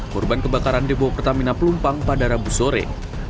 korban kebakaran depo pertamina pelumpang pada rabu sore